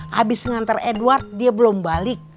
habis ngantar edward dia belum balik